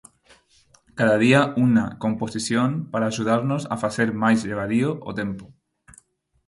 Cada día unha composición para axudarnos a facer máis levadío o tempo...